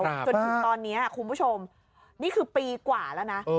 จนถึงตอนนี้คุณผู้ชมนี่คือปีกว่าแล้วนะ